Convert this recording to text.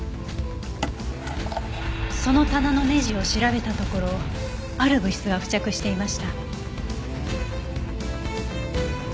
その棚のネジを調べたところある物質が付着していました。